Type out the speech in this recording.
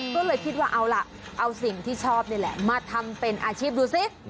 ก็เลยคิดว่าเอาล่ะเอาสิ่งที่ชอบนี่แหละมาทำเป็นอาชีพดูสิ